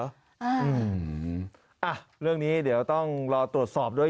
อืมอ่ะเรื่องนี้เดี๋ยวต้องรอตรวจสอบด้วย